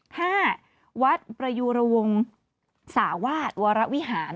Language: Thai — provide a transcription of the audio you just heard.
ห้าวัดประยูระวงสาวาสวรวิหาร